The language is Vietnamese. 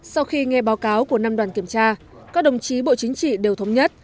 sau khi nghe báo cáo của năm đoàn kiểm tra các đồng chí bộ chính trị đều thống nhất